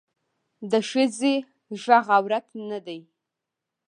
د ښخي غږ عورت نه دی